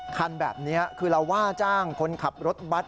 คันแบบนี้คือเราว่าจ้างคนขับรถบัตร